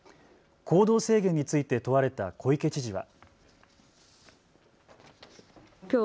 行動制限について問われた小池知事は。